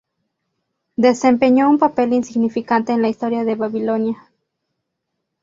Desempeñó un papel insignificante en la historia de Babilonia.